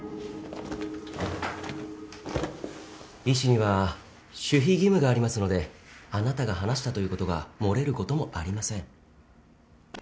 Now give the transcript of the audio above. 医師には守秘義務がありますのであなたが話したということが漏れることもありません。